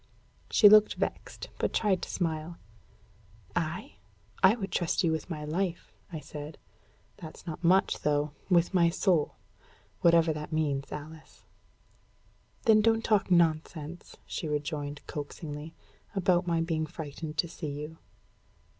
She looked vexed, but tried to smile. "I? I would trust you with my life," I said. "That's not much, though with my soul, whatever that means, Alice." "Then don't talk nonsense," she rejoined coaxingly, "about my being frightened to see you."